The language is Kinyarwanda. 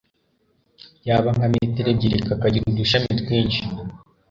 yaba nka metero ebyiri kakagira udushami twinshi